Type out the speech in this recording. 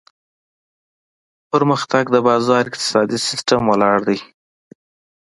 پرمختګ د بازار اقتصادي سیستم ولاړ دی.